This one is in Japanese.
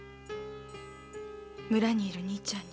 村にいる兄ちゃんに。